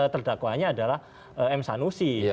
terdakwanya adalah m sanusi